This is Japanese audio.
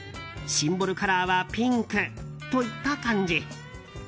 シンボルカラーはピンクといった感じ。